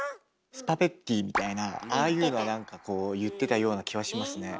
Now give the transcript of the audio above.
スパレッティみたいなああいうのは何かこう言ってたような気はしますね。